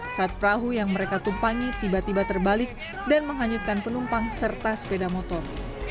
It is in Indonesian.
saat perahu yang mereka tumpangi tiba tiba terbalik dan menghanyutkan penumpang serta sepeda motor